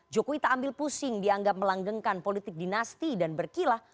jokowi tak ambil pusing dianggap melanggengkan politik dinasti dan berkilah